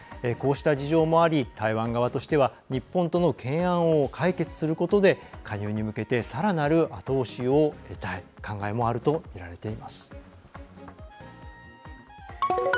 こうした事情もあり台湾側としては日本との懸案を解決することで加入に向けてさらなる後押しを得たい考えもあるとみられています。